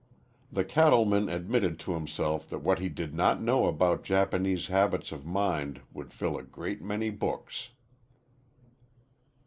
The cattleman admitted to himself that what he did not know about Japanese habits of mind would fill a great many books.